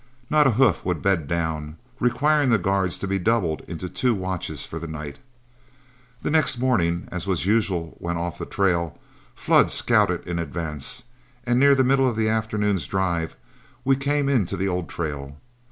Not a hoof would bed down, requiring the guards to be doubled into two watches for the night. The next morning, as was usual when off the trail, Flood scouted in advance, and near the middle of the afternoon's drive we came into the old trail.